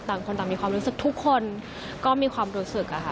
ต่างคนต่างมีความรู้สึกทุกคนก็มีความรู้สึกอะค่ะ